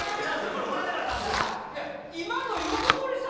これ歌いたかったんすよいや